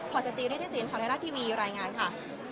พอจะจีนได้ที่ทีมขาวไทยรักษณ์ทีวีอยู่รายงานค่ะ